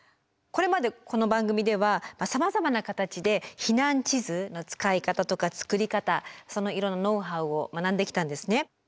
これまでこの番組ではさまざまな形で避難地図の使い方とか作り方そのいろんなノウハウを学んできたんですね。